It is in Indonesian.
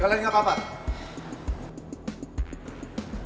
kalian gak apa apa